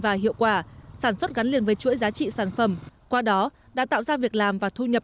và hiệu quả sản xuất gắn liền với chuỗi giá trị sản phẩm qua đó đã tạo ra việc làm và thu nhập